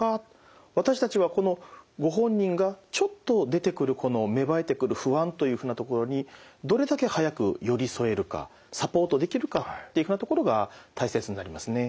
私たちはこのご本人がちょっと出てくるこの芽生えてくる不安というふうなところにどれだけ早く寄り添えるかサポートできるかっていうふうなところが大切になりますね。